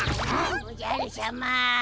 おじゃるしゃま。